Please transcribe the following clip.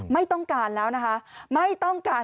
ไม่ต้องการแล้วนะคะ